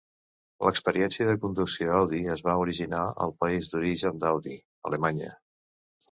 L'Experiència de Conducció Audi es va originar al país d'origen d'Audi, Alemanya.